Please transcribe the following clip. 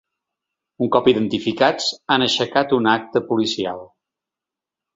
Un cop identificats, han aixecat una acta policial.